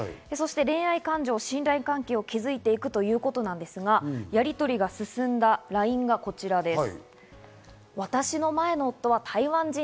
恋愛感情、信頼関係を築いていくということなんですがやりとりが進んだＬＩＮＥがこちらです。